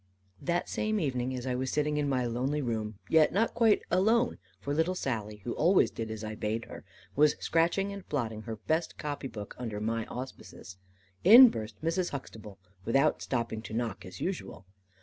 That same evening, as I was sitting in my lonely room, yet not quite alone, for little Sally, who always did as I bade her, was scratching and blotting her best copy book, under my auspices, in burst Mrs. Huxtable, without stopping to knock as usual.